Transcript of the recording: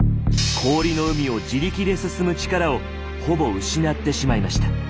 氷の海を自力で進む力をほぼ失ってしまいました。